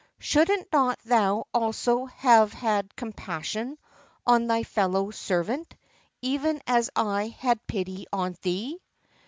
Shouldest not thou also have had com passion on thy fellow ser vant, even as I had pity on thee?"